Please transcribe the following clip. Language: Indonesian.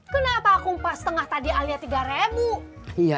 kenapa aku empas setengah tadi alia tiga ribu